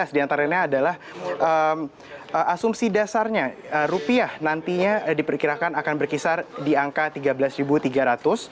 di antaranya adalah asumsi dasarnya rupiah nantinya diperkirakan akan berkisar di angka tiga belas tiga ratus